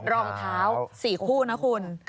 รองเท้า๔คู่นะคุณ